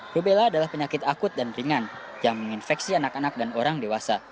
rubella adalah penyakit akut dan ringan yang menginfeksi anak anak dan orang dewasa